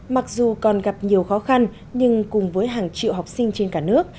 mặc dù còn gặp nhiều khó khăn nhưng cùng với hàng triệu học sinh trên cả nước